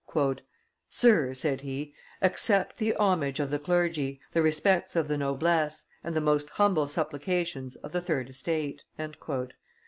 "Sir," said he, "accept the homage of the clergy, the respects of the noblesse, and the most humble supplications of the third estate."